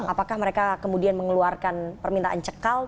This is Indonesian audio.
apakah mereka kemudian mengeluarkan permintaan cekal